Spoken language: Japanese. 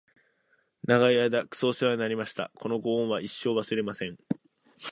長い間クソおせわになりました！！！このご恩は一生、忘れません！！